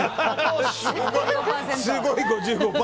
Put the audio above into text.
すごい５５％。